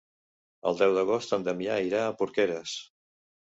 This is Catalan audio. El deu d'agost en Damià irà a Porqueres.